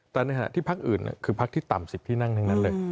แต่ในขณะที่พักอื่นคือพักที่ต่ำ๑๐ที่นั่งทั้งนั้นเลย